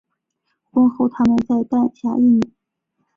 婚后他们再诞下一女。